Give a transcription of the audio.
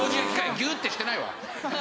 ギューってしてないわ。